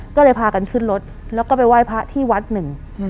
ก็เลยพากันขึ้นรถแล้วก็ไปไหว้พระที่วัดหนึ่ง